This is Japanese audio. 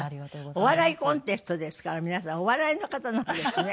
お笑いコンテストですから皆さんお笑いの方なんですね。